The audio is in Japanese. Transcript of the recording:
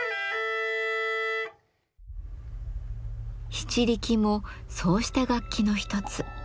篳篥もそうした楽器の一つ。